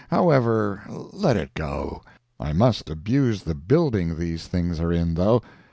However, let it go. I must abuse the building these things are in, though.